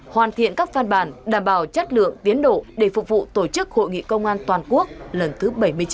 hoàn thiện các phan bản đảm bảo chất lượng tiến độ để phục vụ tổ chức hội nghị công an toàn quốc lần thứ bảy mươi chín